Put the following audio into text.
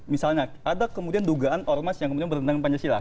misalnya ada kemudian dugaan ormas yang kemudian berenang pancasila